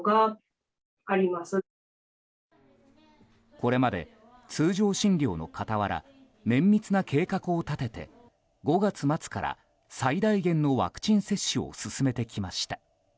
これまで、通常診療の傍ら綿密な計画を立てて５月末から最大限のワクチン接種を進めてきました。